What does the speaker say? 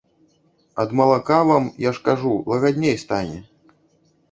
Ад малака вам, я ж кажу, лагадней стане.